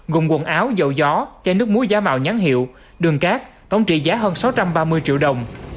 gồm quần áo dầu gió chai nước muối giá màu nhắn hiệu đường cát tổng trị giá hơn sáu trăm ba mươi triệu đồng